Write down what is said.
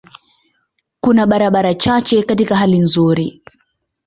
Kuna barabara chache katika hali nzuri.